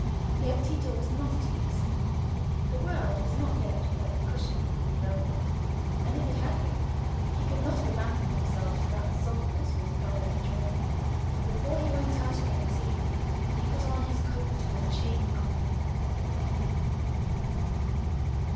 Yet Tito was not at ease. The world was not yet quite cushioned with velvet, and, if it had been, he could not have abandoned himself to that softness with thorough enjoyment; for before he went out again this evening he put on his coat of chain armour.